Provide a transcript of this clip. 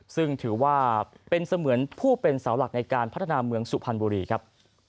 ซึ่งถือว่าเป็นเสมือนผู้เป็นเสาหลักในการพัฒนาเมืองสุพรรณบุรีครับ